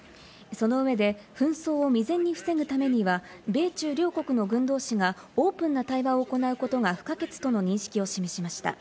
その上で、紛争を未然に防ぐためには、米中両国の軍同士がオープンな対話を行うことが不可欠との認識を示しました。